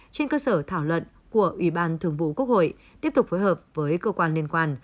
trên cơ sở thảo luận của ủy ban thường vụ quốc hội tiếp tục phối hợp với cơ quan liên quan